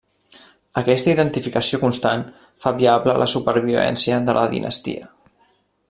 Aquesta identificació constant fa viable la supervivència de la dinastia.